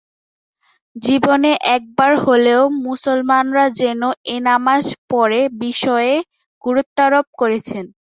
জীবনে একবার হলেও মুসলমানরা যেনো এ নামাজ পড়ে বিষয়ে গুরুত্বারোপ করেছেন।